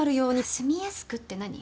住みやすくって何？